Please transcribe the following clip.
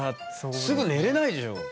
すぐ寝れないでしょう。